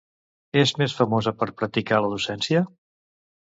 És més famosa per practicar la docència?